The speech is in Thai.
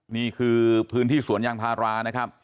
นี่คือพื้นที่สวนยางพารา